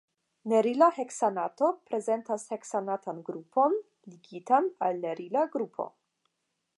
Nerila heksanato prezentas heksanatan grupon ligitan al nerila grupo.